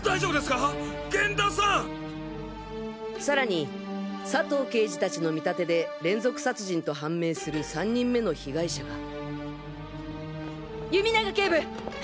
さらに佐藤刑事達の見立てで連続殺人と判明する３人目の被害者が弓長警部！